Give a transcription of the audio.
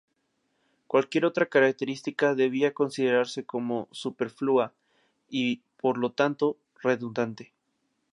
Cualquier otra característica debía considerarse como superflua y, por lo tanto, redundante.